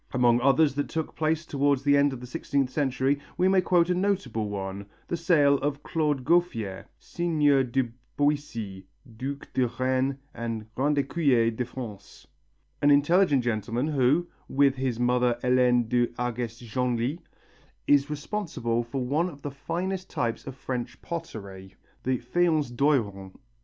Among others that took place towards the end of the sixteenth century, we may quote a notable one, the sale of Claude Gouffier ("Seigneir de Boisy," duc de Reannes and Grand Écuyer de France), an intelligent gentleman who, with his mother Hélène de Hargest Genlis, is responsible for one of the finest types of French pottery, the faience d'Oiron.